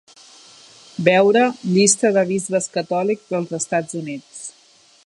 Veure "Llista de bisbes catòlics dels Estats Units".